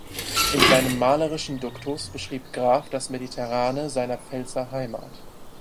In seinem malerischen Duktus beschrieb Graf das Mediterrane seiner Pfälzer Heimat.